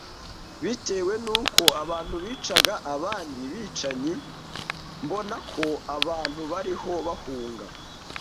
bitewe n’uko abantu bicaga abandi bicanyi. Mbona ko abantu bariho bahunga